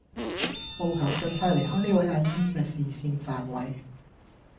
務求盡快離開呢位阿姨嘅視線範圍